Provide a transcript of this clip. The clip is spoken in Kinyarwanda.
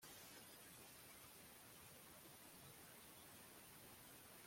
Icyo nifuza rwose ni ikintu gikonje cyo kunywa